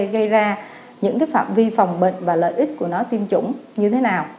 gây ra những phạm vi phòng bệnh và lợi ích của nó tiêm chủng như thế nào